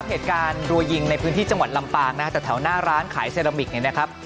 เหตุการณ์รัวยิงในพื้นที่จังหวัดลำปางนะฮะแต่แถวหน้าร้านขายเซรามิกเนี่ยนะครับ